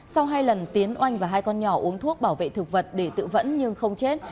sau hai lần tiến oanh và hai con nhỏ uống thuốc bảo vệ thực vật để tự vẫn nhưng không chết